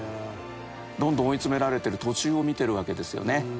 どんどん追い詰められてる途中を見てるわけですよね。